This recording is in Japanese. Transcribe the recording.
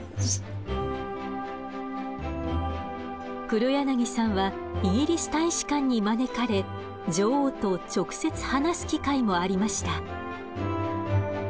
黒柳さんはイギリス大使館に招かれ女王と直接話す機会もありました。